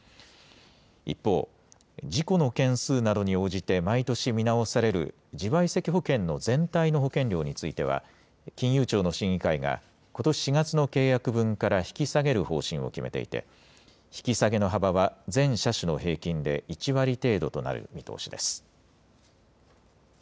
一方、事故の件数などに応じて、毎年見直される自賠責保険の全体の保険料については、金融庁の審議会がことし４月の契約分から引き下げる方針を決めていて、引き下げの幅は全車種の平均で１割程度となる見通しです。